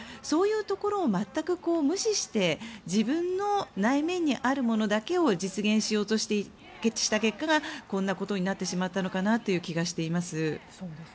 そういうところを全く無視して自分の内面にあるものだけを実現しようとした結果がこんなことになってしまったのかなという気がしています。